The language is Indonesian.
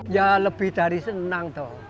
ya lebih dari senang